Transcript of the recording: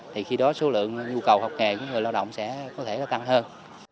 thì khi đó số lượng nhu cầu học nghề của người lao động sẽ có thể tăng hơn